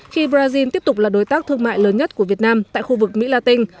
khi brazil tiếp tục là đối tác thương mại lớn nhất của việt nam tại khu vực mỹ la tinh